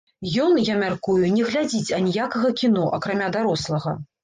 Ён, я мяркую, не глядзіць аніякага кіно, акрамя дарослага.